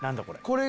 これ。